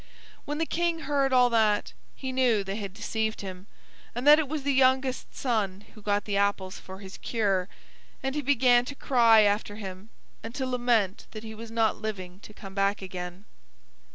When the King heard all that, he knew they had deceived him, and that it was the youngest son who got the apples for his cure, and he began to cry after him and to lament that he was not living to come back again.